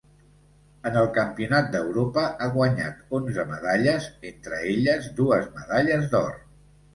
En el Campionat d'Europa ha guanyat onze medalles, entre elles dues medalles d'or.